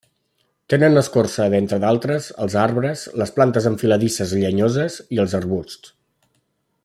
Tenen escorça, entre d'altres, els arbres, les plantes enfiladisses llenyoses i els arbusts.